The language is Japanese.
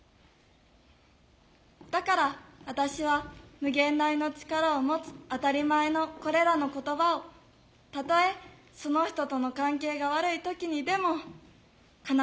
だから私は無限大の力を持つ当たり前のこれらの言葉をたとえその人との関係が悪い時にでも必ず伝えていこうと思います。